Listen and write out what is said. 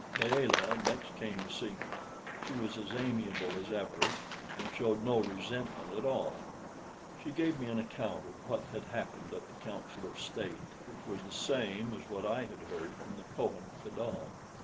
Layelah next came to see me. She was as amiable as ever, and showed no resentment at all. She gave me an account of what had happened at the Council of State, which was the same as what I had heard from the Kohen Gadol.